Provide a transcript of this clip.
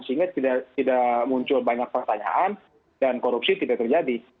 sehingga tidak muncul banyak pertanyaan dan korupsi tidak terjadi